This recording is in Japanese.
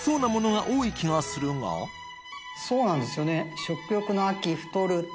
そうなんですよね。